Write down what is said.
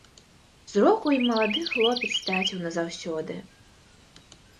Зрок у ім малады хлопец страціў назаўсёды.